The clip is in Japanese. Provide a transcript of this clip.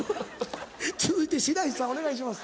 続いて白石さんお願いします。